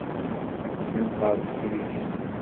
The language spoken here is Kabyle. Ddant ɣer tekrict.